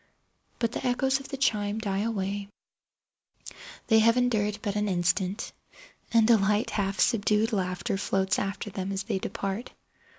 But the echoes of the chime die away—they have endured but an instant—and a light, half subdued laughter floats after them as they depart.